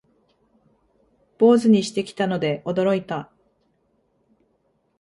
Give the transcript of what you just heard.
坊主にしてきたので驚いた